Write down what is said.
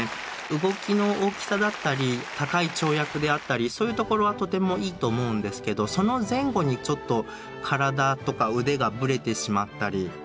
動きの大きさだったり高い跳躍であったりそういうところはとてもいいと思うんですけどその前後にちょっと体とか腕がぶれてしまったりですね